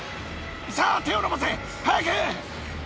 さあ、手を伸ばせ！早く！